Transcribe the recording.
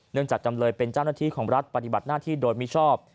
จากจำเลยเป็นเจ้าหน้าที่ของรัฐปฏิบัติหน้าที่โดยมิชอบ